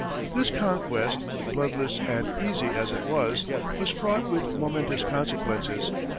This conquest, bloodless and easy as it was, was fraught with momentous consequences.